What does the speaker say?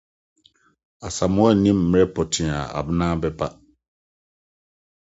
Asamoa nnim bere pɔtee a Abena bɛba.